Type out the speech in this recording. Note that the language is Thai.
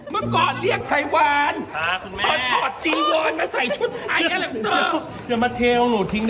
เมื่อก่อนเรียกไทวาน